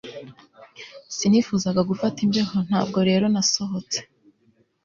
Sinifuzaga gufata imbeho ntabwo rero nasohotse